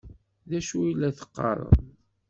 D acu ay la teqqarem?